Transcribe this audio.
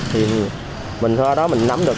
thì mình có đó mình nắm được